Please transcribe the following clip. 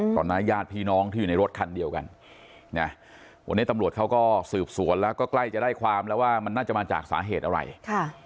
ตอนนั้นญาติพี่น้องที่อยู่ในรถคันเดียวกันนะวันนี้ตำรวจเขาก็สืบสวนแล้วก็ใกล้จะได้ความแล้วว่ามันน่าจะมาจากสาเหตุอะไรค่ะ